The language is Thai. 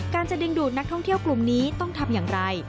จะดึงดูดนักท่องเที่ยวกลุ่มนี้ต้องทำอย่างไร